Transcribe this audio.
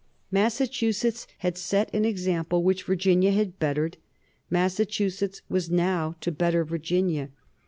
Massachusetts had set an example which Virginia had bettered; Massachusetts was now to better Virginia.